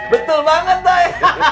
betul banget doi